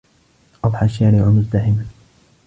أَضْحَى الشَّارِعُ مُزْدَحِمًا.